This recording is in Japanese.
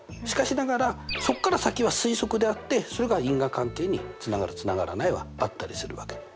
しかしながらそこから先は推測であってそれが因果関係につながるつながらないはあったりするわけ。